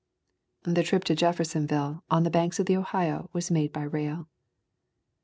[The trip to Jeffersonville, on the banks of the Ohio, was made by rail.